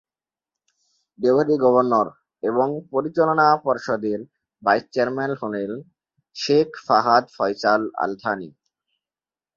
Deputy governor এবং পরিচালনা পর্ষদের ভাইস-চেয়ারম্যান হলেন শেখ ফাহাদ ফয়সাল আল-থানি।